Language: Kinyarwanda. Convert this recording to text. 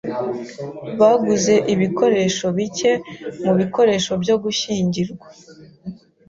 Baguze ibikoresho bike mubikoresho byo gushyingirwa.